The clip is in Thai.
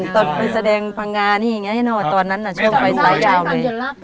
ตอนไปแสดงพังงานี่อย่างนี้เนอะตอนนั้นช่วงไปสายใหญ่